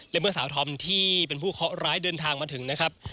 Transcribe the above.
และเมื่อสาวธอมที่เป็นผู้เคาะร้ายเดินทางมาถึงนะครับ